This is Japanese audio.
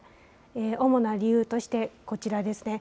主な理由としてこちらですね。